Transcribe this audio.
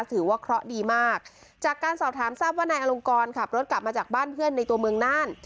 ถือว่าเคราะห์ดีมากจากการสอบถามทราบว่านายอลงกรขับรถกลับมาจากบ้านเพื่อนในตัวเมืองน่าน